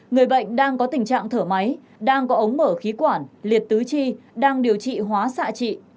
người bệnh đang có tình trạng thở máy đang có ống mở khí quản liệt tứ chi đang điều trị hóa xạ trị